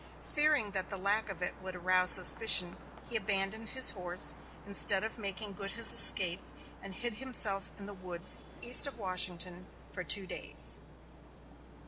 Fearing that the lack of it would arouse suspicion, he abandoned his horse, instead of making good his escape, and hid himself in the woods east of Washington for two days.